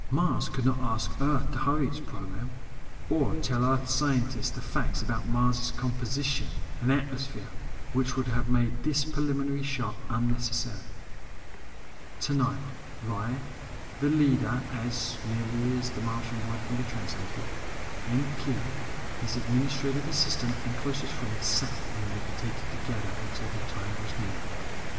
Mars could not ask Earth to hurry its program. Or tell Earth scientists the facts about Mars' composition and atmosphere which would have made this preliminary shot unnecessary. Tonight Ry, the leader (as nearly as the Martian word can be translated), and Khee, his administrative assistant and closest friend, sat and meditated together until the time was near.